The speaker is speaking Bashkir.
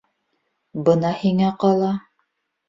— Бына һиңә ҡала...